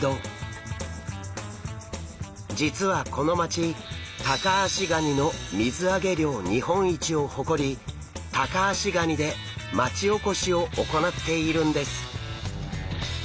実はこの町タカアシガニの水揚げ量日本一を誇りタカアシガニで町おこしを行っているんです！